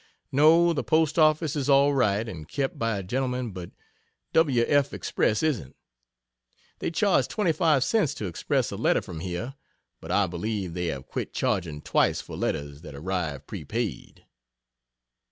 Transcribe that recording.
No, the Post Office is all right and kept by a gentleman but W. F. Express isn't. They charge 25 cts to express a letter from here, but I believe they have quit charging twice for letters that arrive prepaid.